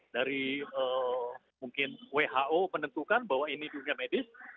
dari mungkin who menentukan bahwa ini dunia medis